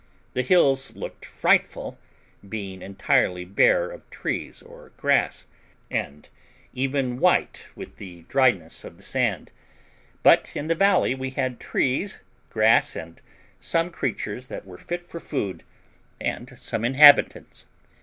The hills looked frightful, being entirely bare of trees or grass, and even white with the dryness of the sand; but in the valley we had trees, grass, and some creatures that were fit for food, and some inhabitants.